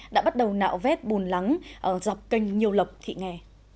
đã bắt đầu nạo vét bùn lắng dọc kênh nhiều lọc thị nghè